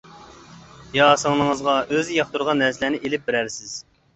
يا سىڭلىڭىزغا ئۆزى ياقتۇرىدىغان نەرسىلەرنى ئېلىپ بېرەرسىز.